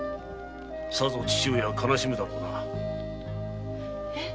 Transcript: さぞ父上は悲しむだろうな。